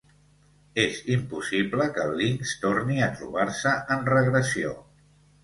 És impossible que el linx torni a trobar-se en regressió.